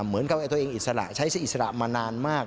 เหมือนกับว่าตัวเองอิสระใช้เสียอิสระมานานมาก